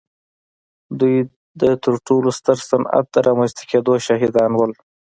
دوی د تر ټولو ستر صنعت د رامنځته کېدو شاهدان وو.